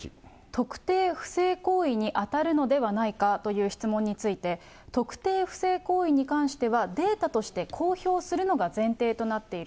特定不正行為に当たるのではないかという質問について、特定不正行為に関してはデータとして公表するのが前提となっている。